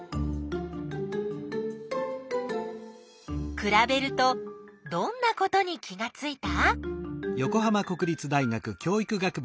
くらべるとどんなことに気がついた？